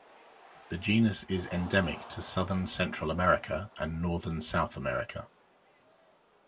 The genus is endemic to southern Central America and northern South America.